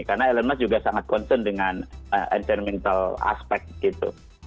karena elon musk juga sangat concern dengan environmental aspek gitu